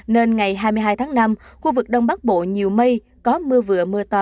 nên ngày hai mươi hai tháng năm khu vực đông bắc bộ nhiều mây có mưa vừa mưa to